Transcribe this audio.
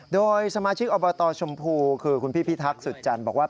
โดยสมาชิกอบตชมพูคือคุณพี่พิทักษุจันทร์บอกว่า